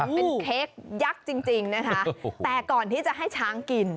เป็นเค้กยักษ์จริงนะคะแต่ก่อนที่จะให้ช้างกิน